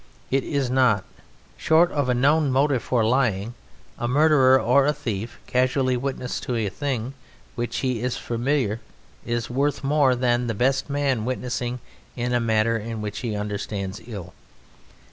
It is not, short of a known motive for lying; a murderer or a thief casually witnessing to a thing with which he is familiar is worth more than the best man witnessing in a matter which he understands ill.